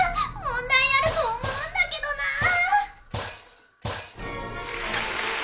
問題あると思うんだけどな。